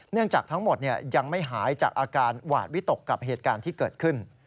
จากทั้งหมดยังไม่หายจากอาการหวาดวิตกกับเหตุการณ์ที่เกิดขึ้น